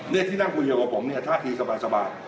นี่ที่นั่งคุยอยู่กับผมเนี่ยท่าทีสบาย